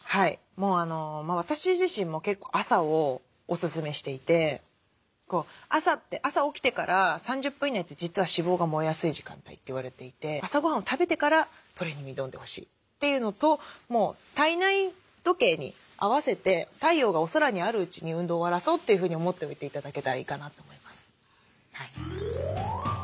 私自身も結構朝をおすすめしていて朝って朝起きてから３０分以内って実は脂肪が燃えやすい時間帯って言われていて朝ごはんを食べてからトレーニングに挑んでほしいっていうのと体内時計に合わせて太陽がお空にあるうちに運動を終わらそうというふうに思っといて頂けたらいいかなと思います。